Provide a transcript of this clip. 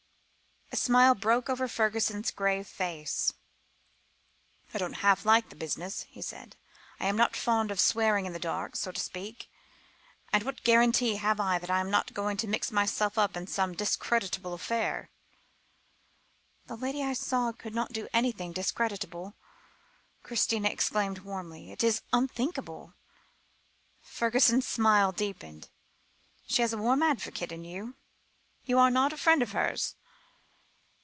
A smile broke over Fergusson's grave face. "I don't half like the business," he said; "I am not fond of swearing in the dark, so to speak, and what guarantee have I that I am not going to mix myself up in some discreditable affair?" "The lady I saw could not do anything discreditable," Christina exclaimed warmly; "it is unthinkable." Fergusson's smile deepened. "She has a warm advocate in you; you are not a friend of hers?"